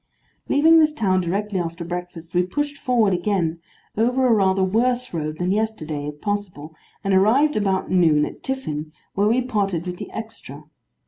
Leaving this town directly after breakfast, we pushed forward again, over a rather worse road than yesterday, if possible, and arrived about noon at Tiffin, where we parted with the extra.